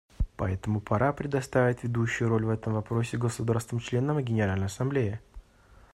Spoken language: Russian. Поэтому пора предоставить ведущую роль в этом вопросе государствам-членам и Генеральной Ассамблее.